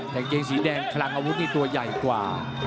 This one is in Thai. งเกงสีแดงคลังอาวุธนี่ตัวใหญ่กว่า